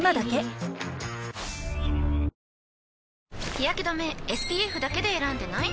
日やけ止めＳＰＦだけで選んでない？